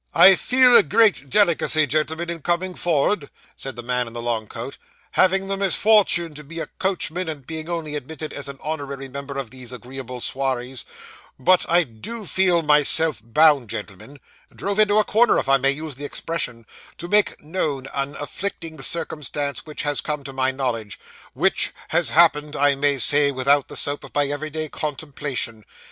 'I feel a great delicacy, gentlemen, in coming for'ard,' said the man in the long coat, 'having the misforchune to be a coachman, and being only admitted as a honorary member of these agreeable swarrys, but I do feel myself bound, gentlemen drove into a corner, if I may use the expression to make known an afflicting circumstance which has come to my knowledge; which has happened I may say within the soap of my everyday contemplation.